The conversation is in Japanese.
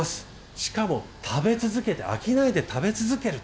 しかも食べ続けて飽きないで食べ続ける。